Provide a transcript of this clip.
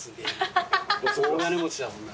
大金持ちだもんな。